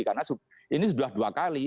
karena ini sudah dua kali